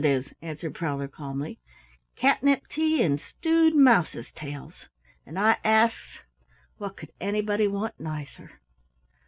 "Course it is," answered Prowler calmly. "Catnip tea and stewed mouses' tails an' I asks what could anybody want nicer?"